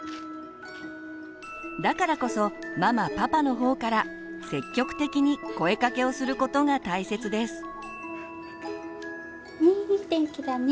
だからこそママパパの方から積極的に声かけをすることが大切です。